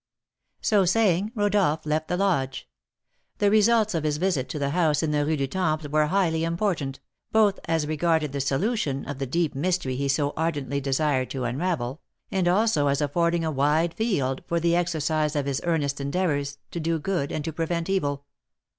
So saying, Rodolph left the lodge. The results of his visit to the house in the Rue du Temple were highly important, both as regarded the solution of the deep mystery he so ardently desired to unravel, and also as affording a wide field for the exercise of his earnest endeavours to do good and to prevent evil.